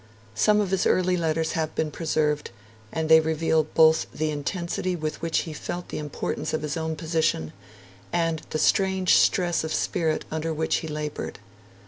Some of his early letters have been preserved, and they reveal both the intensity with which he felt the importance of his own position, and the strange stress of spirit under which he laboured.